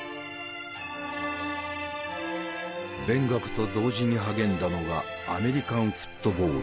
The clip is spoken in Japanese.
勉学と同時に励んだのがアメリカンフットボール。